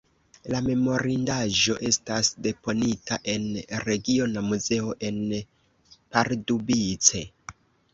La memorindaĵo estas deponita en regiona muzeo en Pardubice.